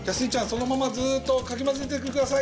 そのままずっとかきまぜててください。